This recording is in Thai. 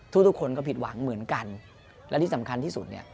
ทุกคนก็ผิดหวังเหมือนกันและที่สำคัญที่สุดเนี่ย